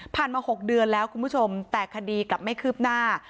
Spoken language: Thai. มา๖เดือนแล้วคุณผู้ชมแต่คดีกลับไม่คืบหน้า